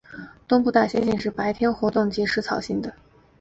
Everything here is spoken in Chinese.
东部大猩猩是白天活动及草食性的。